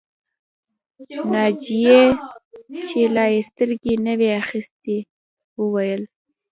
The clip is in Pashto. ناجيې چې لا يې سترګې نه وې اخيستې وویل